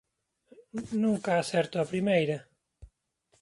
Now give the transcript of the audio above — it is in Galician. Nunca acerto á primeira